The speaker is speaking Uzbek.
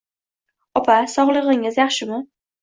Opa, sog`ligingiz yaxshimi